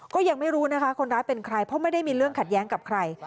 ก็ยังไม่รู้นะคะคนร้ายเป็นใครเพราะไม่ได้มีเรื่องขัดแย้งกับใคร